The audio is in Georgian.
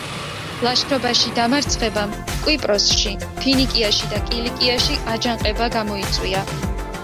ლაშქრობაში დამარცხებამ კვიპროსში, ფინიკიაში და კილიკიაში აჯანყება გამოიწვია.